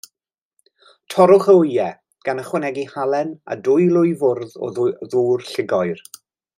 Torrwch y wyau, gan ychwanegu halen, a dwy lwy fwrdd o ddŵr llugoer.